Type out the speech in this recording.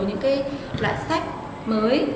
những loại sách mới